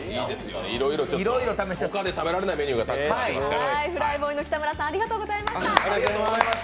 他で食べられないメニューがたくさんありますから。